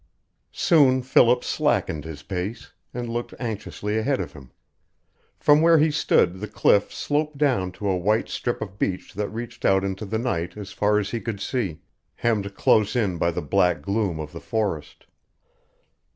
X Soon Philip slackened his pace, and looked anxiously ahead of him. From where he stood the cliff sloped down to a white strip of beach that reached out into the night as far as he could see, hemmed close in by the black gloom of the forest.